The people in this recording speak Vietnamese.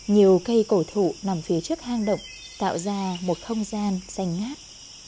nhiều cây cổ thụ nằm phía trước hang động tạo ra một không gian xanh ngát